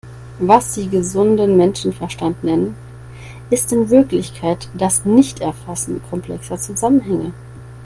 Was Sie gesunden Menschenverstand nennen, ist in Wirklichkeit das Nichterfassen komplexer Zusammenhänge.